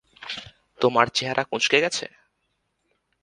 তোমমার চেহারা কুচঁকে গেছে?